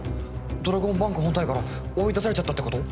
ドラゴンバンク本体から追い出されちゃったってこと！？